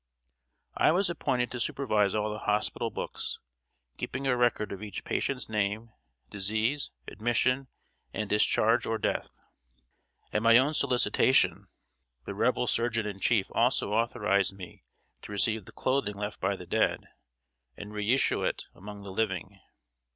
] I was appointed to supervise all the hospital books, keeping a record of each patient's name, disease, admission, and discharge or death. At my own solicitation, the Rebel surgeon in chief also authorized me to receive the clothing left by the dead, and re issue it among the living.